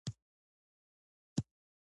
تفتیش د منظمې بازرسۍ عملیه ده.